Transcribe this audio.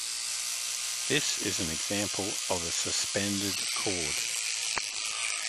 This is an example of a suspended chord.